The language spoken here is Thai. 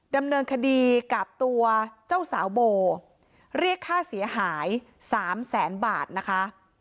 ดำเนินคดีกับตัวเจ้าสาวโบเรียกค่าเสียหายสามแสนบาทนะคะ